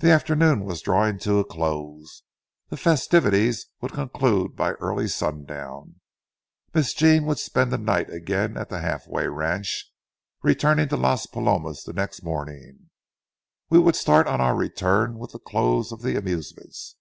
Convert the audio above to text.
The afternoon was drawing to a close. The festivities would conclude by early sundown. Miss Jean would spend the night again at the halfway ranch, returning to Las Palomas the next morning; we would start on our return with the close of the amusements.